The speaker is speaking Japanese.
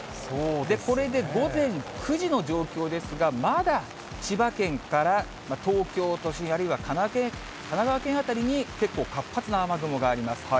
これで午前９時の状況ですが、まだ千葉県から東京都心、あるいは神奈川県辺りに結構、活発な雨雲があります。